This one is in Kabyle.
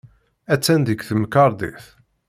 Attan deg temkarḍit.